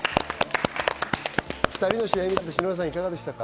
２人の試合を見てて、篠原さんいかがでしたか？